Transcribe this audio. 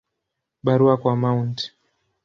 Barua kwa Mt.